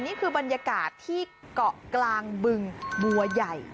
นี่คือบรรยากาศที่เกาะกลางบึงบัวใหญ่